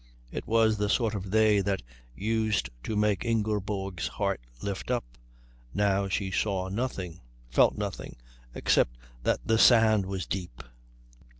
It was the sort of day that used to make Ingeborg's heart lift up; now she saw nothing, felt nothing, except that the sand was deep.